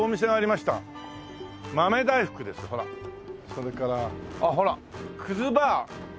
それからあっほら「くずバー」。